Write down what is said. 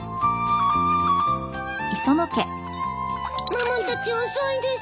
ママたち遅いです。